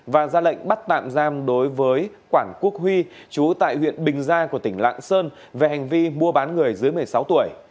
và ra lệnh bắt tạm giam đối với quản quốc huy chú tại huyện bình gia của tỉnh lạng sơn về hành vi mua bán người dưới một mươi sáu tuổi